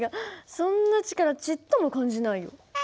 そんな力ちっとも感じないよ。